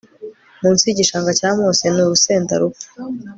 Munsi yigishanga cya mose Nurusenda rupfa